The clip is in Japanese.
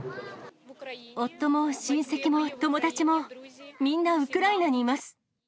夫も親戚も友達も、みんなウクライナにいます。